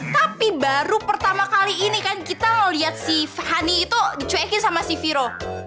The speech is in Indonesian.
tapi baru pertama kali ini kan kita lihat si fani itu dicuekin sama si viro